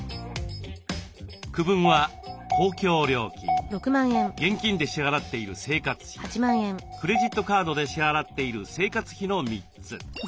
区分は公共料金現金で支払っている生活費クレジットカードで支払っている生活費の３つ。